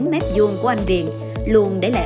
chín m hai của anh điền luôn để lại